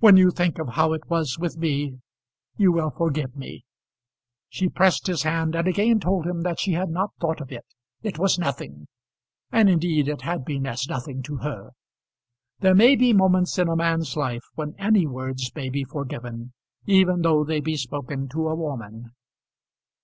"When you think of how it was with me, you will forgive me." She pressed his hand and again told him that she had not thought of it. It was nothing. And indeed it had been as nothing to her. There may be moments in a man's life when any words may be forgiven, even though they be spoken to a woman.